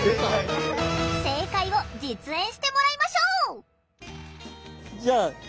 正解を実演してもらいましょう。